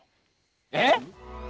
えっ！？